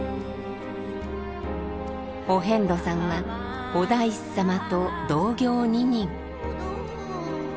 お遍路さんはお大師様と同行二人。